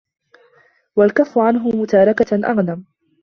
وَالْكَفُّ عَنْهُ مُتَارَكَةً أَغْنَمُ